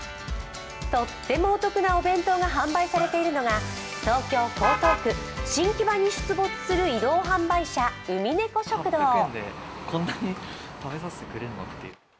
とってもお得なお弁当が販売されているのが、東京・江東区新木場に出没する移動販売車うみねこ食堂。